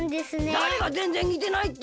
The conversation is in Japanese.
だれがぜんぜんにてないって！？